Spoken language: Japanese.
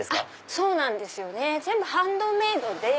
そうなんですよね全部ハンドメードで。